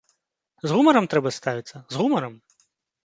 З гумарам трэба ставіцца, з гумарам!